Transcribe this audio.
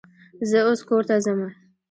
زه اوس کور ته ځمه.